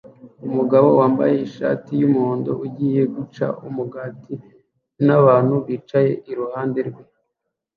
Umugabo wambaye ishati yumuhondo ugiye guca umugati nabantu bicaye iruhande rwe